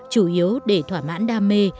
chủ yếu để thỏa mãn đam mê